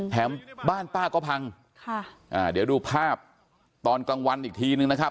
บ้านป้าก็พังค่ะอ่าเดี๋ยวดูภาพตอนกลางวันอีกทีนึงนะครับ